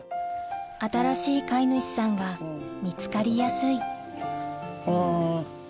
新しい飼い主さんが見つかりやすいあよかったね。